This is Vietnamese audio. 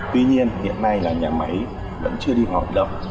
tuy nhiên hiện nay là nhà máy vẫn chưa đi vào hoạt động